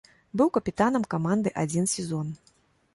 Быў капітанам каманды адзін сезон.